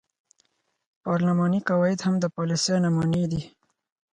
پارلماني قواعد هم د پالیسۍ نمونې دي.